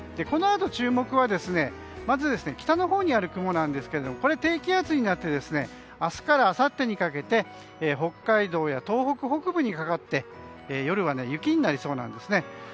このあと注目はまず北のほうにある雲なんですがこれ、低気圧になって明日からあさってにかけて北海道や東北北部にかかって夜は雪になりそうなんです。